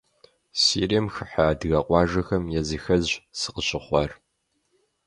Сирием хыхьэ адыгэ къуажэхэм языхэзщ сыкъыщыхъуар.